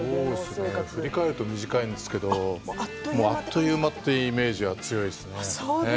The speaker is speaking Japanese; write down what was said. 振り返ると短いんですけれどもあっという間というイメージが強いですね。